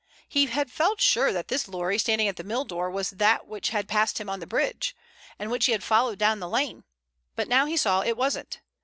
He had felt sure that this lorry standing at the mill door was that which had passed him on the bridge, and which he had followed down the lane. But now he saw it wasn't.